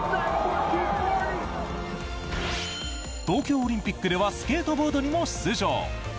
東京オリンピックではスケートボードにも出場。